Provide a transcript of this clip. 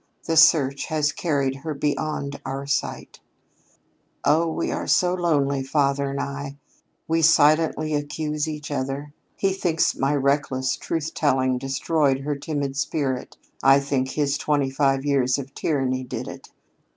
The search has carried her beyond our sight. "Oh, we are so lonely, father and I. We silently accuse each other. He thinks my reckless truth telling destroyed her timid spirit; I think his twenty five years of tyranny did it.